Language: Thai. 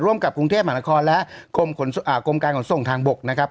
กับกรุงเทพมหานครและกรมการขนส่งทางบกนะครับ